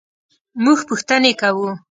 مونږ پوښتنې کوو